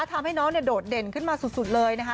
ทำให้น้องโดดเด่นขึ้นมาสุดเลยนะคะ